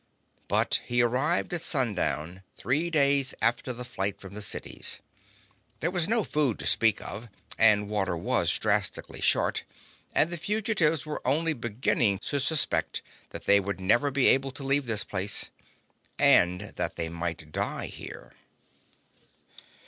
But he arrived at sundown three days after the flight from the cities. There was no food to speak of, and water was drastically short, and the fugitives were only beginning to suspect that they would never be able to leave this place—and that they might die here.